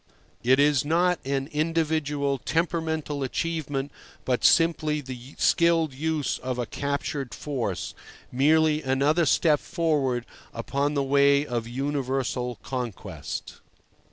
It is not an individual, temperamental achievement, but simply the skilled use of a captured force, merely another step forward upon the way of universal conquest.